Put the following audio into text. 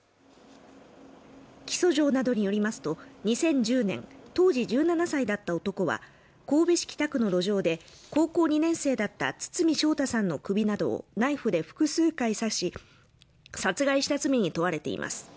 起訴状などによりますと、２０１０年、当時１７歳だった男は、神戸市北区の路上で高校２年生だった堤将太さんの首などをナイフで複数回刺し殺害した罪に問われています。